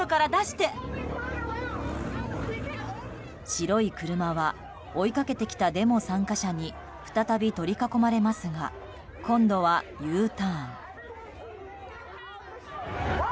白い車は追いかけてきたデモ参加者に再び取り囲まれますが今度はＵターン。